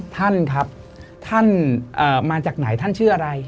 ท่านครับท่านมาจากไหนท่านชื่ออะไร